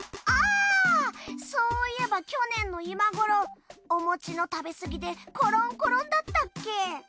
あそういえば去年の今ごろおもちの食べすぎでコロンコロンだったっけ。